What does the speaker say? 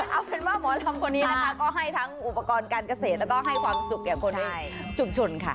เอาเป็นว่าหมอลำคนนี้นะคะก็ให้ทั้งอุปกรณ์การเกษตรแล้วก็ให้ความสุขแก่คนในชุมชนค่ะ